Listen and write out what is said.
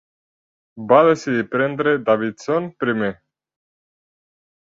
Va decidir prendre Davidson primer.